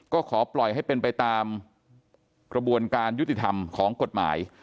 ก็ขอปล่อยให้เป็นไปตามกระบวนการยุติธรรมของกฎหมาย